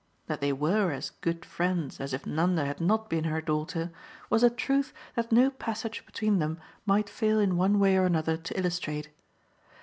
That they WERE as good friends as if Nanda had not been her daughter was a truth that no passage between them might fail in one way or another to illustrate.